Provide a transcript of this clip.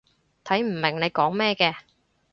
睇唔明你講咩嘅